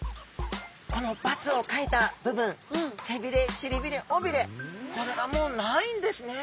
この×を書いた部分せびれしりびれおびれこれがもうないんですね。